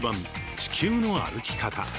「地球の歩き方」。